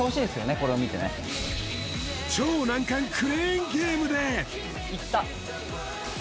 これを見てね超難関クレーンゲームでいった！